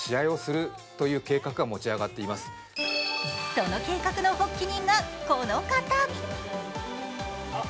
その計画の発起人がこの方。